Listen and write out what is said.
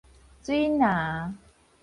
水林